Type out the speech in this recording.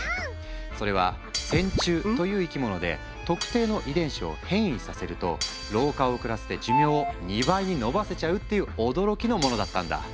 それは線虫という生き物で特定の遺伝子を変異させると老化を遅らせて寿命を２倍に延ばせちゃうっていう驚きのものだったんだ。